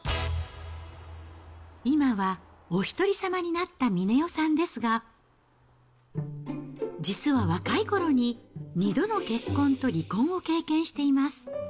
今はお一人様になった峰代さんですが、実は若いころに２度の結婚と離婚を経験しています。